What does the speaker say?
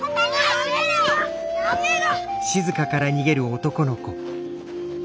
やめろ！